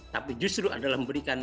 tapi justru adalah memberikan